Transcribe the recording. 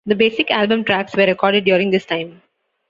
The basic album tracks were recorded during this time.